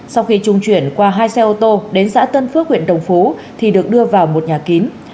sau khi trung chuyển qua hai xe ô tô đến xã tân phước huyện đồng phú thì được đưa vào một nhà kín